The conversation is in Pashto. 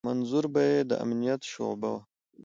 منظور به يې د امنيت شعبه وه.